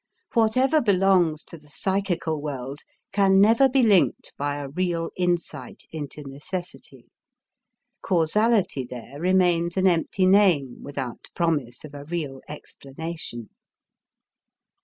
Whatever belongs to the psychical world can never be linked by a real insight into necessity. Causality there remains an empty name without promise of a real explanation.